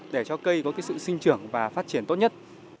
để cho cây có sự sinh trưởng và phát triển tốt nhất